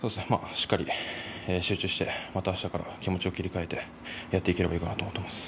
しっかり集中してまたあしたから気持ちを切り替えてやっていければと思ってます。